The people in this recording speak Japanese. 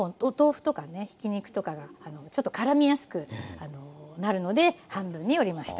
ひき肉とかがちょっとからみやすくなるので半分に折りました。